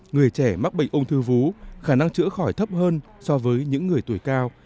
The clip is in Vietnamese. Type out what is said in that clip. người trẻ mắc bệnh ung thư vú khả năng chữa khỏi thấp hơn so với những người tuổi cao